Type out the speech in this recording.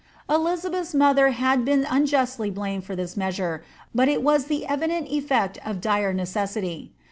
Elizabeth's mother has been unjustly blamed for this measure, but it was the evident effect of dire necessity.